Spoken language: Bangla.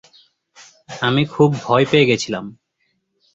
আমি খুব ভয়ে পেয়েগেছিলাম।